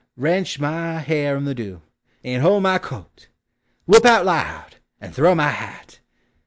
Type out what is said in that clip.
Rench my hair In the dew! and hold my coat! Whoop out loud ! and throw my hat